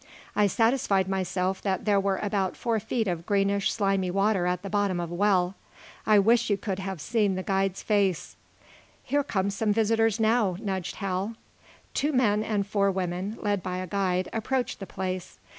I satisfied myself that there were about four feet of greenish, slimy water at the bottom of a well. I wish you could have seen the guide's face!" "Here come some visitors, now," nudged Hal. Two men and four women, led by a guide, approached the place.